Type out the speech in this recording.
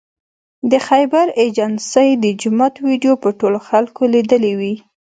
د خیبر ایجنسۍ د جومات ویدیو به ټولو خلکو لیدلې وي